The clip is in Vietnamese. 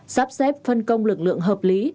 sắp xếp phân công lực lượng hợp lý